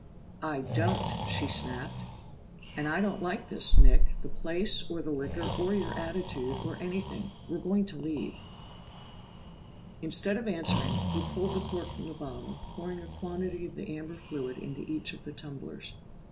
"I don't!" she snapped. "And I don't like this, Nick the place, or the liquor, or your attitude, or anything. We're going to leave!" Instead of answering, he pulled the cork from the bottle, pouring a quantity of the amber fluid into each of the tumblers.